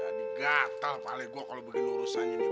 jadi gatel paling gue kalau begini urusannya nih